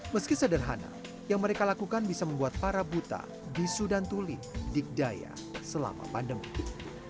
meski sederhana yang mereka lakukan bisa membuat para buta disudantulik dikdaya selama pandemi